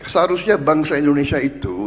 seharusnya bangsa indonesia itu